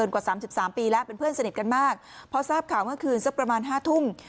กว่าสามสิบสามปีแล้วเป็นเพื่อนสนิทกันมากพอทราบข่าวเมื่อคืนสักประมาณ๕ทุ่ม